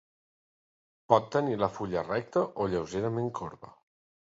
Pot tenir la fulla recta o lleugerament corba.